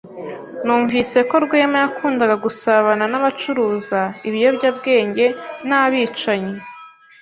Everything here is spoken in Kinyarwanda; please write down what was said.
Numvise ko Rwema yakundaga gusabana n'abacuruza ibiyobyabwenge n'abicanyi.